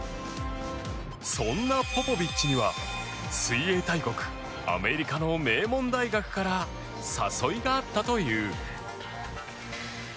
そんなポポビッチには水泳大国アメリカの名門大学から誘いがあったという。